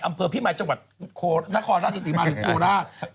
อำเภอพิมายจังหวัดนครราชสีมาหรือโคราช